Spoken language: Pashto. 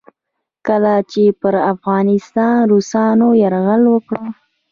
کله چې پر افغانستان روسانو یرغل وکړ.